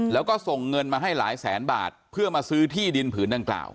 แล้วก็ส่งเงินมาให้หลายแสนบาทเพื่อมาซื้อที่ดินผืนดังกล่าว